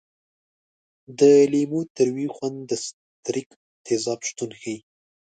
د لیمو تریو خوند د ستریک تیزاب شتون ښيي.